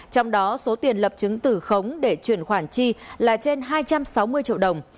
trong đó số tiền lập chứng tử khống để chuyển khoản chi là trên hai trăm sáu mươi triệu đồng